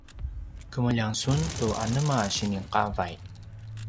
kemeljang sun tu anema sini qavay?